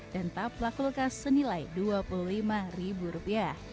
dan taplak kulkas senilai rp dua puluh lima